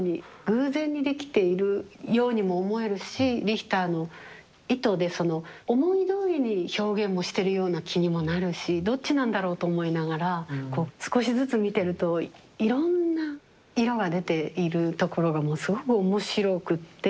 偶然にできているようにも思えるしリヒターの意図でその思いどおりに表現もしてるような気にもなるしどっちなんだろうと思いながらこう少しずつ見てるといろんな色が出ているところがもうすごく面白くって。